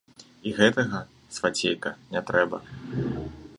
І гэтага, свацейка, не трэба.